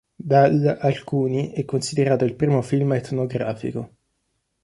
Dal alcuni è considerato il primo film etnografico.